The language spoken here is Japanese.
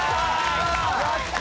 やった！